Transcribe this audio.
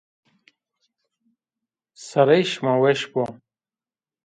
Sereyê şima weş bo